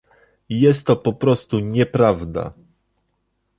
Jest to po prostu nieprawda